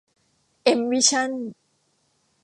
เอ็ม วิชั่น